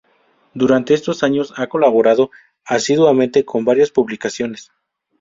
Durante estos años ha colaborado asiduamente con varias publicaciones.